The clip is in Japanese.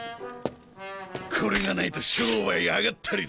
これがないと商売あがったりだ。